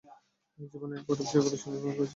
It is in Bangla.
জীবনে এই প্রথম সেগুলি সে ব্যবহার করেছে।